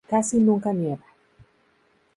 Casi nunca nieva.